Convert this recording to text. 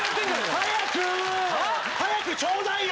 早くちょうだいよ！